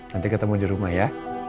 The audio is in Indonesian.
nanti ketemu di rumah ya